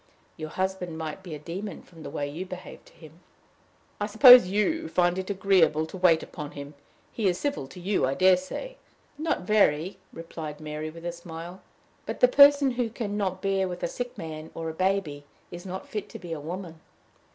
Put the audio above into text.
Your husband might be a demon from the way you behave to him." "I suppose you find it agreeable to wait upon him: he is civil to you, I dare say!" "Not very," replied Mary, with a smile; "but the person who can not bear with a sick man or a baby is not fit to be a woman."